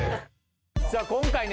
さあ今回ね